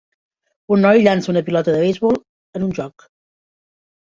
un noi llança una pilota de beisbol en un joc.